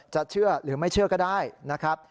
เชื่อหรือไม่เชื่อก็ได้นะครับ